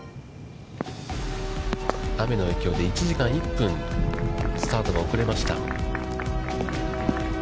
雨の影響で１時間１分、スタートがおくれました。